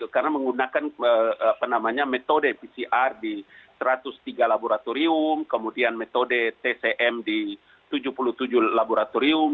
karena menggunakan metode pcr di satu ratus tiga laboratorium kemudian metode tcm di tujuh puluh tujuh laboratorium